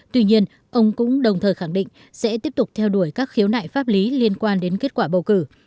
tuy nhiên ông cũng đồng thời khẳng định sẽ tiếp tục theo đuổi các khiếu nại pháp lý liên quan đến kết quả bầu cử